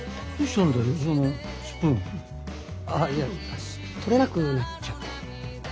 あっいや取れなくなっちゃって。